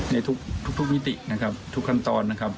ในทุกมิตินะครับทุกขั้นตอนนะครับ